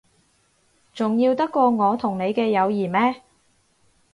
重要得過我同你嘅友誼咩？